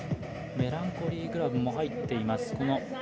メランコリーグラブも入っています。